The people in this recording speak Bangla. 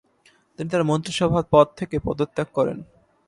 তিনি তার মন্ত্রিসভা পদ থেকে পদত্যাগ করেন।